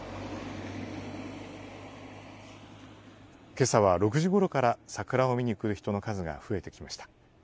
けさは６時ごろから、桜を見に来る人の数が増えてきました。